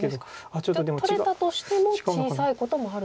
じゃあ取れたとしても小さいこともある？